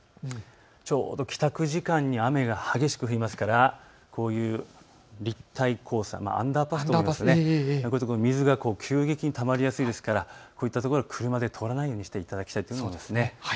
ちょうど帰宅時間に雨が激しく降りますから立体交差、アンダーパス、こういうところに水が急激にたまりやすいですからこういったところ、車で通らないようにしていただきたいです。